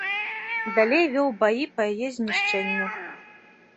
Далей вёў баі па яе знішчэнню.